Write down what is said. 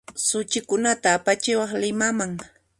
Suchikunata apachisaq Limaman